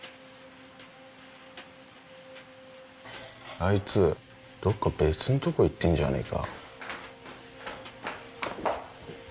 ・あいつどっか別んとこ行ってんじゃねえか？